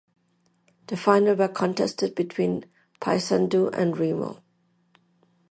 The final were contested between Paysandu and Remo.